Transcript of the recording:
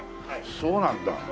そうなんだ。